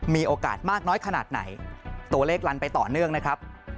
มีโอกาสมากน้อยขนาดไหนตัวเลขลันไปต่อเนื่องนะครับ